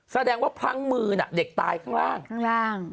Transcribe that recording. แสดงว่าพลั้งมือเด็กตายข้างล่าง